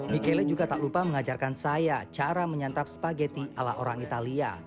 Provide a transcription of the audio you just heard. michele juga tak lupa mengajarkan saya cara menyantap spageti ala orang italia